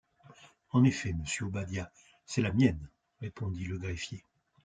En effet, monsieur Obadiah, c’est la mienne, répondit le greffier.